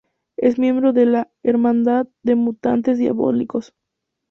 Es miembro de la Hermandad de Mutantes Diabólicos.